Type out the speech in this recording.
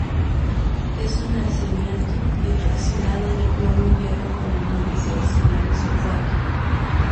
Es un arseniato hidroxilado de plomo y hierro con aniones adicionales sulfato.